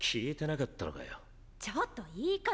ちょっと言い方！